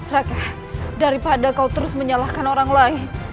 rak daripada kau terus menyalahkan orang lain